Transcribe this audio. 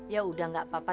yaudah gak apa apa